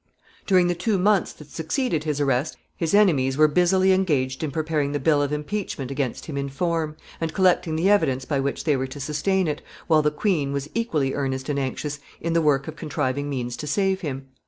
] During the two months that succeeded his arrest his enemies were busily engaged in preparing the bill of impeachment against him in form, and collecting the evidence by which they were to sustain it, while the queen was equally earnest and anxious in the work of contriving means to save him.